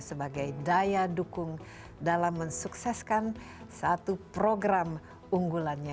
sebagai daya dukung dalam mensukseskan satu program unggulannya